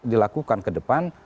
dilakukan ke depan